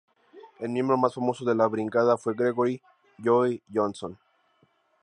El miembro más famoso de la brigada fue Gregory "Joey" Johnson.